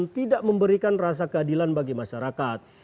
tidak memberikan rasa keadilan bagi masyarakat